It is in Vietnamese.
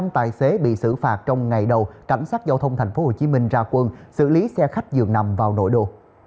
năm tài xế bị xử phạt trong ngày đầu cảnh sát giao thông tp hcm ra quân xử lý xe khách dường nằm vào nội đô